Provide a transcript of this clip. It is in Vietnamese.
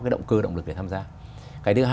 cái động cơ động lực để tham gia cái thứ hai